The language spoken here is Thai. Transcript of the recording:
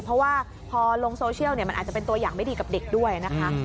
เพราะว่าพอลงโซเชียลมันอาจจะเป็นตัวอย่างไม่ดีกับเด็กด้วยนะคะ